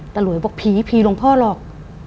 ตาหลวยบอกผีผีตลงพอหลอก